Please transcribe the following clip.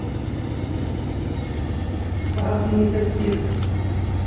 Ɣas init-as tidet.